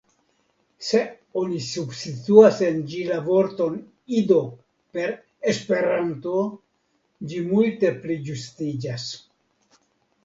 Se oni substituas en ĝi la vorton »Ido« per »Esperanto«, ĝi multe pli ĝustiĝas.